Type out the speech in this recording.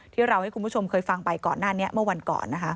ที่เราให้คุณผู้ชมเคยฟังไปก่อนหน้านี้เมื่อวันก่อนนะคะ